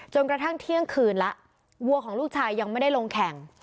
กระทั่งเที่ยงคืนแล้ววัวของลูกชายยังไม่ได้ลงแข่ง